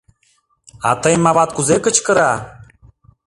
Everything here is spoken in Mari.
А тыйым ават кузе кычкыра?